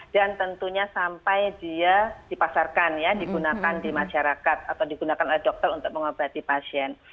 dan tentunya sampai dia dipasarkan ya digunakan di masyarakat atau digunakan oleh dokter untuk mengobati pasien